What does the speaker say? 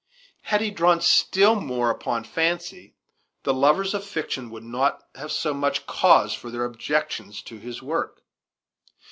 Had he drawn still more upon fancy, the lovers of fiction would not have so much cause for their objections to his work.